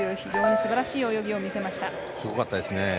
すごかったですね。